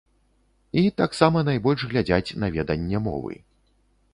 І таксама найбольш глядзяць на веданне мовы.